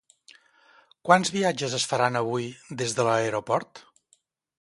Quants viatges es faran avui des de l'aeroport?